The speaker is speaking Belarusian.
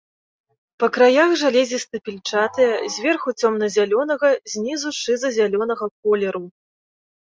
Па краях жалезістай-пільчатыя, зверху цёмна -зялёнага, знізу шыза- зялёнага колеру.